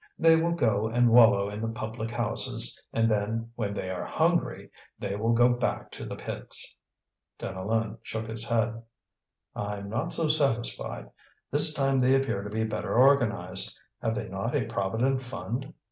They will go and wallow in the public houses, and then, when they are hungry, they will go back to the pits." Deneulin shook his head: "I'm not so satisfied; this time they appear to be better organized. Have they not a Provident Fund?"